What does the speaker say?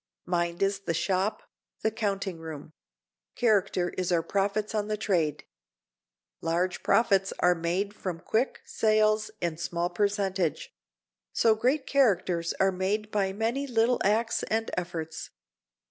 Mind is the shop, the counting room; character is our profits on the trade. Large profits are made from quick sales and small percentage; so great characters are made by many little acts and efforts.